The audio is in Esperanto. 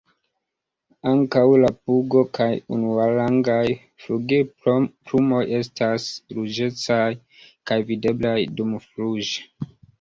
Ankaŭ la pugo kaj unuarangaj flugilplumoj estas ruĝecaj kaj videblaj dumfluge.